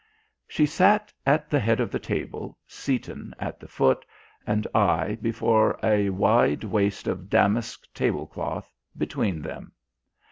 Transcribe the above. She sat at the head of the table, Seaton at the foot, and I, before a wide waste of damask tablecloth, between them.